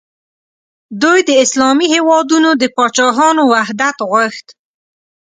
دوی د اسلامي هیوادونو د پاچاهانو وحدت غوښت.